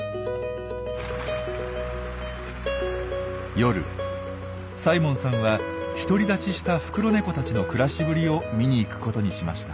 夜サイモンさんは独り立ちしたフクロネコたちの暮らしぶりを見に行くことにしました。